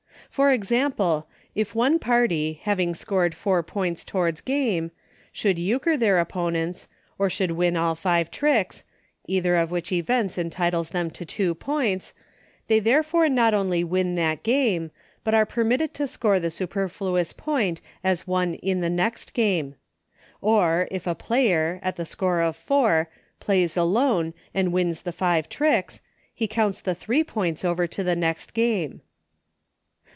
For example : if one party, having scored four points towards game, should Euchre their opponents, or should win all five tricks, either of which events entitles them to two points, they therefore not only win that game, but are permitted to score the superfluous point as one in the next game. Oi, if a player, at the score of four, Plays Alone and wins the five tricks, he counts the three points over to the next game.